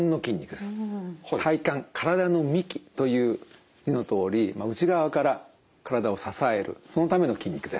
体幹体の幹という字のとおり内側から体を支えるそのための筋肉です。